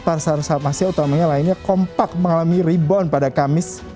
pasar saham asia utamanya lainnya kompak mengalami rebound pada kamis